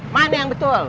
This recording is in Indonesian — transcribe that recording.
mana yang betul